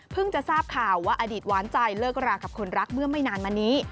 จะทราบข่าวว่าอดีตหวานใจเลิกรากับคนรักเมื่อไม่นานมานี้